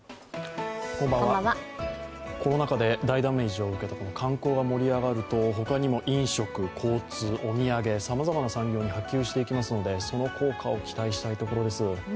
コロナ禍で大ダメージを受けた観光が盛り上がると他にも飲食、交通、お土産、さまざまな産業に波及していきますので、その効果を期待したいところです。